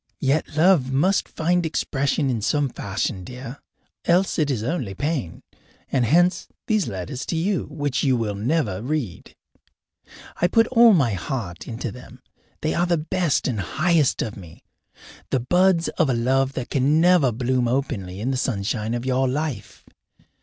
Yet love must find expression in some fashion, dear, else it is only pain, and hence these letters to you which you will never read. I put all my heart into them; they are the best and highest of me, the buds of a love that can never bloom openly in the sunshine of your life.